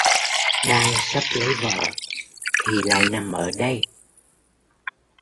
Đang sắp lấy vợ thì lại nằm ở đây